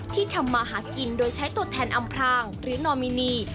ที่ทำมาหากินโดยใช้ตัวแทนอำพรางหรือนอมินี